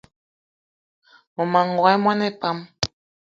Mmema n'gogué mona pam